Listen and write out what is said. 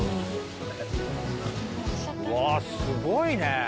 うわー、すごいね。